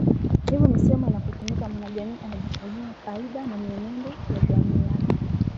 Hivyo misemo inapotumika mwanajamii anajivunia kaida na mienendo ya jamii yake